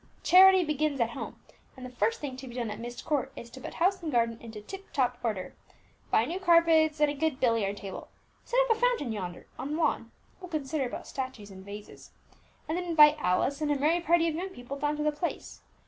Charity begins at home, and the first thing to be done at Myst Court is to put house and garden into tip top order, buy new carpets and a good billiard table, set up a fountain yonder on the lawn (we'll consider about statues and vases), and then invite Alice and a merry party of young people down to the place.